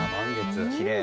きれい。